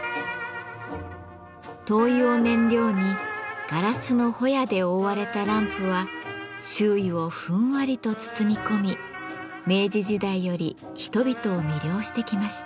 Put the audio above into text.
灯油を燃料にガラスのほやで覆われたランプは周囲をふんわりと包み込み明治時代より人々を魅了してきました。